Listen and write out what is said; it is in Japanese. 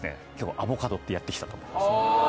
アボカドってやって来たと思うんです。